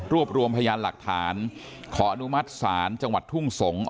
รวมรวมพยานหลักฐานขออนุมัติศาลจังหวัดทุ่งสงศ์